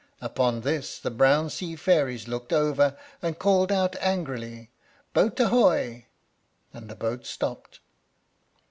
Upon this the brown sea fairies looked over, and called out angrily, "Boat ahoy!" and the boat stopped.